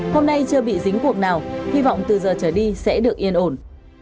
hôm nay chưa bị dính cuộc nào hy vọng từ giờ trở đi sẽ được yên ổn